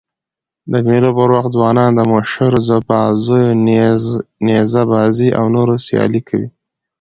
د مېلو پر وخت ځوانان د مشهورو بازيو: نیزه بازي او نورو سيالۍ کوي.